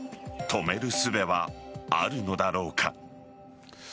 止めるすべはあるのだろうか。